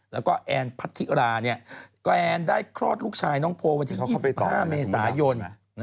แล้วก็แอนพัทธิราแกรนได้คลอดลูกชายน้องโพลวันที่๒๕เมษายน